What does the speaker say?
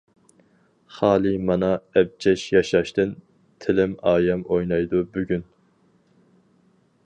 خالىي مانا ئەبجەش ياشاشتىن، تىلىم ئايەم ئوينايدۇ بۈگۈن.